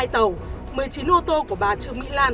hai tàu một mươi chín ô tô của bà trương mỹ lan